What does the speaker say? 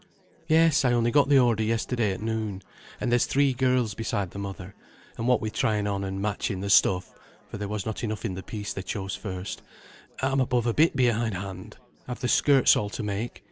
"Yes, I only got the order yesterday at noon; and there's three girls beside the mother; and what with trying on and matching the stuff (for there was not enough in the piece they chose first), I'm above a bit behindhand. I've the skirts all to make.